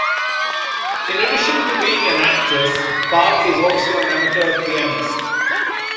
In addition to being an actress, Park is also an amateur pianist.